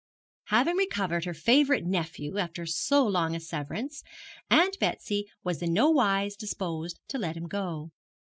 Having recovered her favourite nephew, after so long a severance, Aunt Betsy was in no wise disposed to let him go.